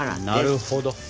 なるほど。